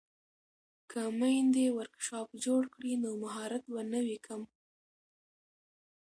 که میندې ورکشاپ جوړ کړي نو مهارت به نه وي کم.